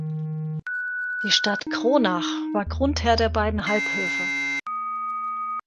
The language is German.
Die Stadt Kronach war Grundherr der beiden Halbhöfe.